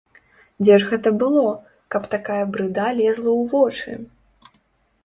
Дзе ж гэта было, каб такая брыда лезла ў вочы?!